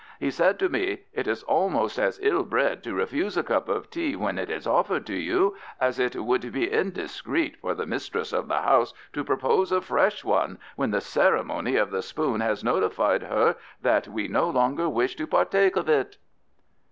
He said to me: it is almost as ill bred to refuse a cup of tea when it is offered to you, as it would [be] indiscreet for the mistress of the house to propose a fresh one, when the ceremony of the spoon has notified her that we no longer wish to partake of it.